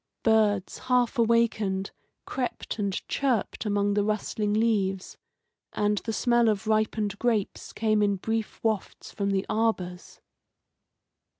Birds, half awakened, crept and chirped among the rustling leaves, and the smell of ripened grapes came in brief wafts from the arbours.